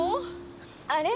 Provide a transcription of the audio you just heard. あれ？